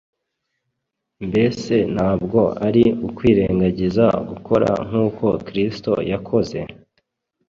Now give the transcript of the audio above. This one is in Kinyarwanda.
Mbese ntabwo ari ukwirengagiza gukora nk’uko Kristo yakoze,